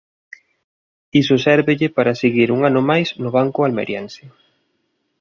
Iso sérvelle para seguir un ano máis no banco almeriense.